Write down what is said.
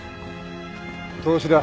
投資だ。